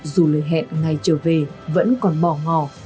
dù lời hẹn ngày trở về vẫn còn mỏ ngò